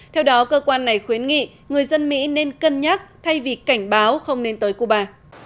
theo đó cơ quan này khuyến nghị người dân mỹ nên cân nhắc thay vì cảnh báo không nên tới cuba